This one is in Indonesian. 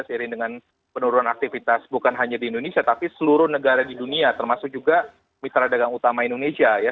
seiring dengan penurunan aktivitas bukan hanya di indonesia tapi seluruh negara di dunia termasuk juga mitra dagang utama indonesia ya